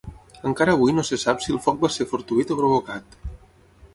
Encara avui no se sap si el foc va ser fortuït o provocat.